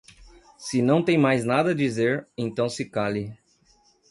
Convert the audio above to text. Se não tem mais nada a dizer, então se cale